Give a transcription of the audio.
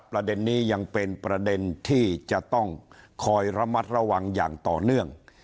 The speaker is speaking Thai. ประเด็นนี้ยังเป็นประเด็นที่จะต้องคอยระมัดระวังอย่างต่อเนื่อง